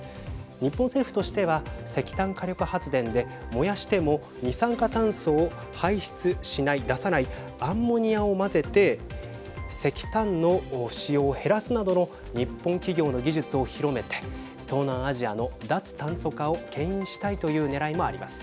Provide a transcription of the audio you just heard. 日本政府としては石炭火力発電で燃やしても二酸化炭素を排出しない出さないアンモニアを混ぜて石炭の使用を減らすなどの日本企業の技術を広めて東南アジアの脱炭素化をけん引したいというねらいもあります。